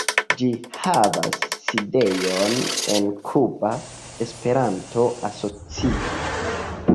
Ĝi havas sidejon en Kuba Esperanto-Asocio.